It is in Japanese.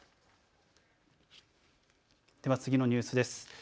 では、次のニュースです。